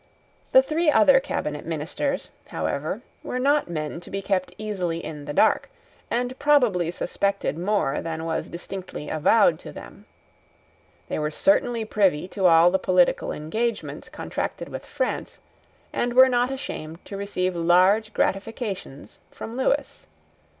The three other cabinet ministers, however, were not men to be kept easily in the dark, and probably suspected more than was distinctly avowed to them. They were certainly privy to all the political engagements contracted with France, and were not ashamed to receive large gratifications from Lewis.